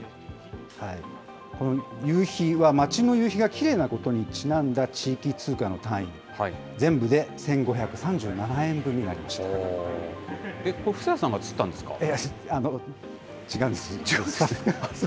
このユーヒは、町の夕日がきれいなことにちなんだ地域通貨の単位、全部で１５３７円分になりこれ、布施谷さんが釣ったん違うんですよ。